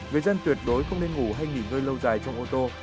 người dân tuyệt đối không nên ngủ hay nghỉ ngơi lâu dài trong ô tô